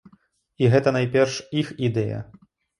І гэта найперш іх ідэя.